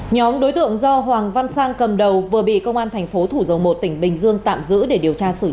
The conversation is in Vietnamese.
nhóm đối tượng do hoàng văn sang cầm đầu vừa bị công an tp thủ dầu một tỉnh bình dương tạm giữ để điều tra